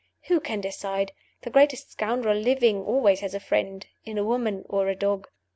Who can decide? The greatest scoundrel living always has a friend in a woman or a dog.